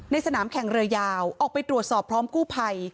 สนามแข่งเรือยาวออกไปตรวจสอบพร้อมกู้ภัย